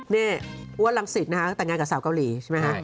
นี่อัวรังสิทธิ์แต่งงานกับสาวเกาหลีใช่ไหมคะ